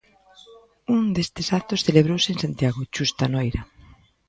Un destes actos celebrouse en Santiago Chus Tanoira.